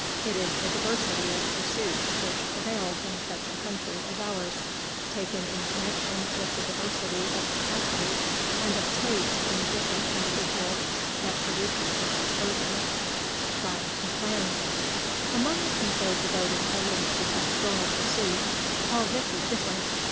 It is the diversity of pursuits which prevails in such a country as ours, taken in connection with the diversity of capacity and of taste in different individuals, that produces this dispersion. Among a people devoted wholly to pastoral pursuits, all this is different.